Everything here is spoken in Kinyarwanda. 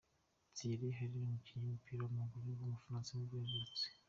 Thierry Henri, umukinnyi w’umupira w’amaguru w’umufaransa nibwo yavutse.